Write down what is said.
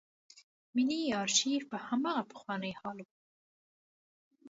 ملي آرشیف پر هماغه پخواني حال و.